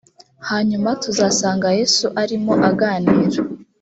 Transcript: hanyuma tuzasanga yesu arimo aganira